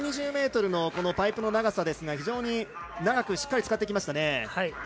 ２２０ｍのパイプの長さですが非常に長くしっかり使ってきました。